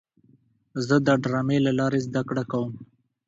زه د ډرامې له لارې زده کړه کوم.